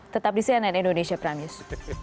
tetap di cnn indonesia prime news